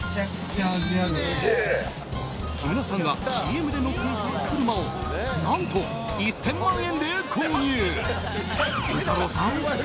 木村さんがＣＭで乗っていた車を何と１０００万円で購入！